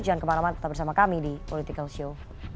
jangan kemarau marau tetap bersama kami di political show